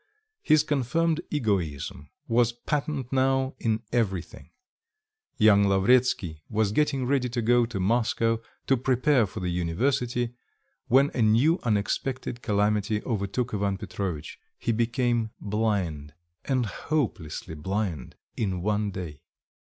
His confirmed egoism was patent now in everything. Young Lavretsky was getting ready! to go to Moscow, to prepare for the university, when a new unexpected calamity overtook Ivan Petrovitch; he became blind, and hopelessly blind, in one day.